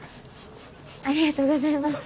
ありがとうございます。